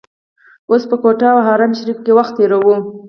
اوس په کوټه او حرم شریف کې وخت تیروو.